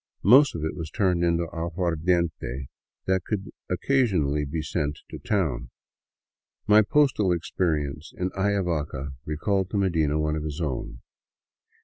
Most of it was turned into aguardiente that could occasionally be sent to town. My postal experience in Ayavaca recalled to Medina one of his own.